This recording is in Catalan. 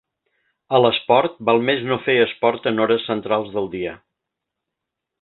A l'esport val més no fer esport en hores centrals del dia.